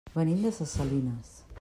Venim de ses Salines.